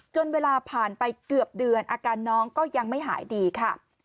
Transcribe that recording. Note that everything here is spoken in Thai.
เวลาผ่านไปเกือบเดือนอาการน้องก็ยังไม่หายดีค่ะ